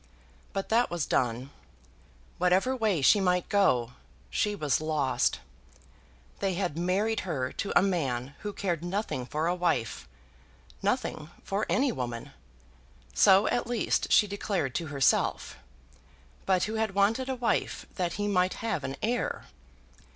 But that was done. Whatever way she might go, she was lost. They had married her to a man who cared nothing for a wife, nothing for any woman, so at least she declared to herself, but who had wanted a wife that he might have an heir.